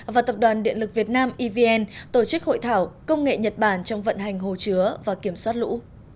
và tập đoàn điện lực việt nam evn tổ chức hội thảo công nghệ nhật bản trong vận hành hồ chứa và kiểm soát lũ